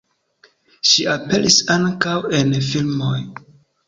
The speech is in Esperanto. Ŝi aperis ankaŭ en filmoj.